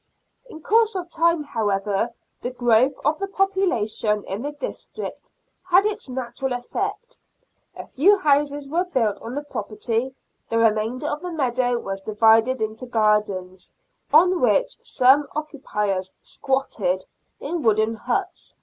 In course of time, how ever, the growth of the population in the district had its natural effect. A few houses were built on the property ; the remainder of the meadow was divided into gardens, on which some occupiers " squatted " in wooden huts